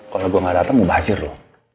kalau gue gak datang mau bajir lo